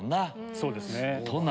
そうですね。